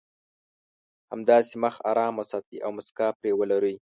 همداسې مخ ارام وساتئ او مسکا پرې ولرئ.